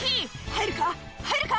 入るか？